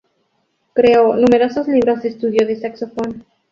Creo numerosos libros de estudio de saxofón.